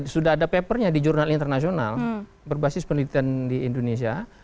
sudah ada papernya di jurnal internasional berbasis penelitian di indonesia